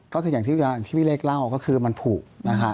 ก็คืออย่างที่พี่เล็กเล่าก็คือมันผูกนะฮะ